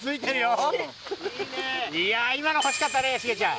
いや今の欲しかったねシゲちゃん。